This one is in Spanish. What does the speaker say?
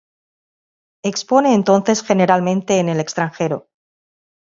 Expone entonces generalmente en el extranjero.